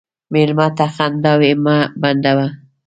مېلمه ته خنداوې مه بندوه.